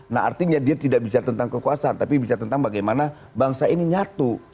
nah artinya dia tidak bicara tentang kekuasaan tapi bicara tentang bagaimana bangsa ini nyatu